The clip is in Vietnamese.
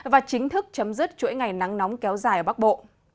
và chính thức chấm dứt chuỗi ngày nắng nóng kéo dài ở bắc bộ